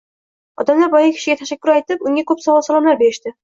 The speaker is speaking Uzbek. Odamlar boyagi kishiga tashakkur aytib, unga ko‘p sovg‘a-salomlar berishdi.